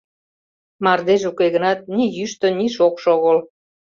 Мардеж уке гынат, ни йӱштӧ, ни шокшо огыл.